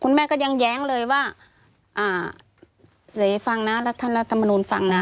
แม่ก็ยังแย้งเลยว่าอ่าเสฟังนะแล้วท่านรัฐมนูลฟังนะ